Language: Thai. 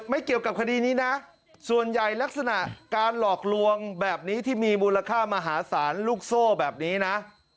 เกี่ยวกับคดีนี้นะส่วนใหญ่ลักษณะการหลอกลวงแบบนี้ที่มีมูลค่ามหาศาลลูกโซ่แบบนี้นะ